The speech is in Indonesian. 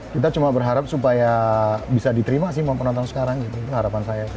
kita cuma berharap supaya bisa diterima sih sama penonton sekarang gitu itu harapan saya